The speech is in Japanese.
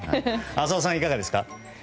浅尾さん、いかがですか。